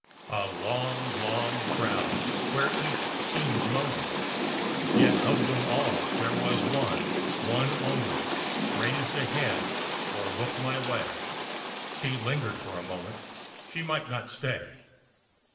A long, long crowd where each seem'd lonely, Yet of them all there was one, one only, Raised a head or look'd my way: She linger'd a moment she might not stay.